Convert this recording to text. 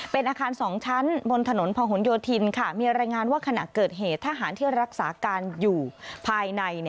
เป็นอาคาร๒ชั้นบนถนนพหนโยธินค่ะมีรายงานว่าขณะเกิดเหตุทหารที่รักษาการอยู่ภายใน